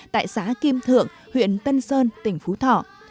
tại xã kim thượng huyện tân sơn tỉnh phú thọ